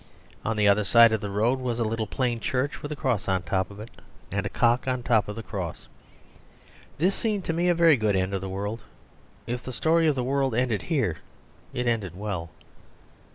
On the other side of the road was a little plain church with a cross on top of it and a cock on top of the cross. This seemed to me a very good end of the world; if the story of the world ended here it ended well.